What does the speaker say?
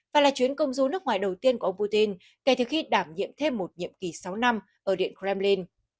và là chuyến công du nước ngoài đầu tiên của ông putin kể từ khi đảm nhiệm thêm một nhiệm kỳ sáu năm ở điện kremlin